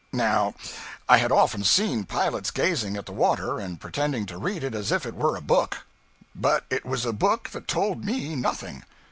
Now I had often seen pilots gazing at the water and pretending to read it as if it were a book; but it was a book that told me nothing.